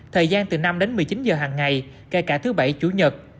thời gian từ năm đến một mươi chín giờ hàng ngày kể cả thứ bảy chủ nhật